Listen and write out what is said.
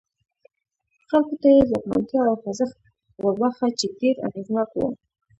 خلکو ته یې ځواکمنتیا او خوځښت وروباښه چې ډېر اغېزناک و.